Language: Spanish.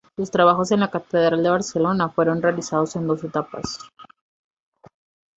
Sus trabajos en la catedral de Barcelona fueron realizados en dos etapas.